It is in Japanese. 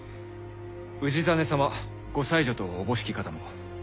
氏真様ご妻女とおぼしき方も。